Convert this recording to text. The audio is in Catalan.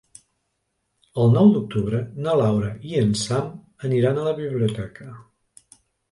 El nou d'octubre na Laura i en Sam aniran a la biblioteca.